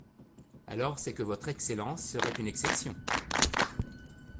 Alors c'est que Votre Excellence serait une exception.